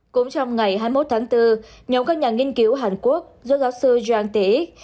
cũng trong ngày hai mươi một tháng bốn nhóm các nhà nghiên cứu hàn quốc do giáo sư jang tae ik